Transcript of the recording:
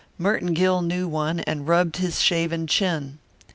Merton Gill knew one, and rubbed his shaven chin.